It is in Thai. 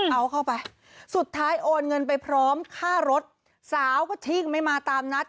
เอาเข้าไปสุดท้ายโอนเงินไปพร้อมค่ารถสาวก็ทิ้งไม่มาตามนัด